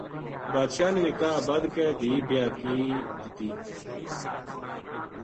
بادشاہ نے نکاح بدھ کے دھی بیاہ کی دِتی